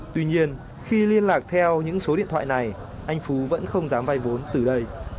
tuy nhiên khi liên lạc theo những số điện thoại này anh phú vẫn không dám vay vốn từ đây